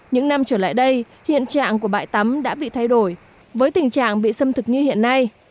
những năm trở lại đây hiện trạng của bãi tắm đã bị thay đổi với tình trạng bị xâm thực như hiện nay